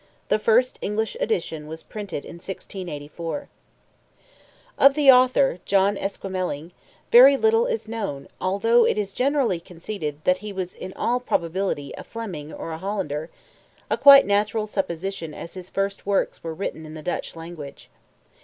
The first English edition was printed in 1684. Of the author, John Esquemeling, very little is known although it is generally conceded that he was in all probability a Fleming or Hollander, a quite natural supposition as his first works were written in the Dutch language.